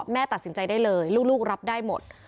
แม่ตัดสินใจได้เลยลูกรับได้หมด